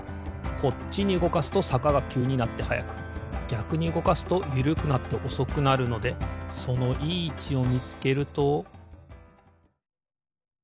こっちにうごかすとさかがきゅうになってはやくぎゃくにうごかすとゆるくなっておそくなるのでそのいいいちをみつけると。